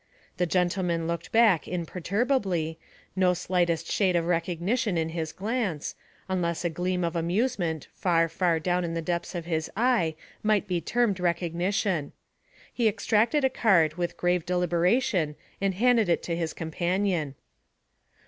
The gentleman looked back imperturbably, no slightest shade of recognition in his glance, unless a gleam of amusement far, far down in the depths of his eye might be termed recognition. He extracted a card with grave deliberation and handed it to his companion.